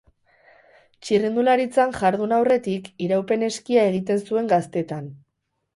Txirrindularitzan jardun aurretik, iraupen-eskia egiten zuen gaztetan.